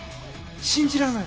信じられない！